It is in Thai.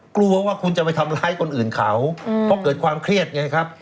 กลัวว่าคุณจะไปทำร้ายคนอื่นเขาเพราะเกิดความเครียดไงครับ